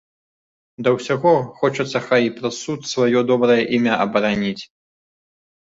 Да ўсяго, хочацца хай і праз суд сваё добрае імя абараніць.